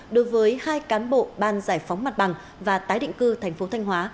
đối với hai cán bộ ban giải phóng mặt bằng và tái định cư tp thanh hóa